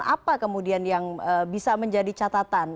apa kemudian yang bisa menjadi catatan